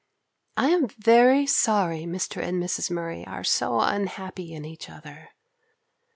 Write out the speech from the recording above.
I am very sorry Mr. and Mrs. Murray are so unhappy in each other.